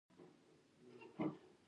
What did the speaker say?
هغه ګټه چې د سوداګر عواید کېږي